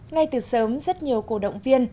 ngay từ sớm rất nhiều cổ động viên